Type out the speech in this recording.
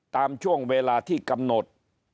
ตามช่วงเวลาที่กำหนด